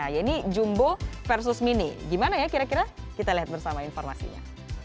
nah ini jumbo versus mini gimana ya kira kira kita lihat bersama informasinya